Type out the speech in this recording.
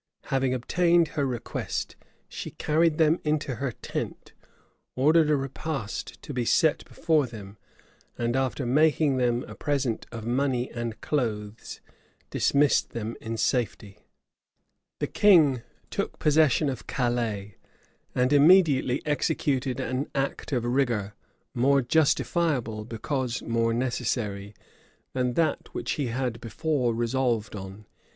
Having obtained her request, she carried them into her tent, ordered a repast to be set before them, and, after making them a present of money and clothes, dismissed them in safety.[] * See note G, at the end of the volume. Froissard, liv. i. chap. 146. The king took possession of Calais; and immediately executed an act of rigor, more justifiable, because more necessary, than that which he had before resolved on.